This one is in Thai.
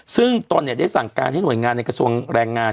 ซึ่งตนได้สั่งการให้หน่วยงานในกระทรวงแรงงาน